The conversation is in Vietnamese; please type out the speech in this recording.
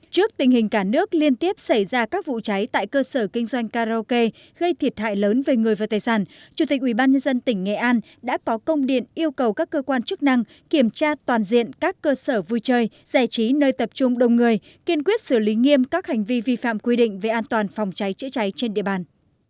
trước tình hình cả nước liên tiếp xảy ra các vụ cháy tại cơ sở kinh doanh karaoke gây thiệt hại lớn về người và tài sản chủ tịch ubnd tỉnh nghệ an đã có công điện yêu cầu các cơ quan chức năng kiểm tra toàn diện các cơ sở vui chơi giải trí nơi tập trung đông người kiên quyết xử lý nghiêm các hành vi vi phạm quy định về an toàn phòng cháy chữa cháy trên địa bàn